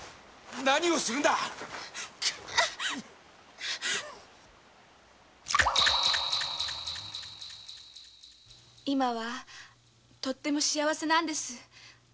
何をするんだ今はとっても幸せなんです。